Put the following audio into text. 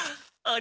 あ？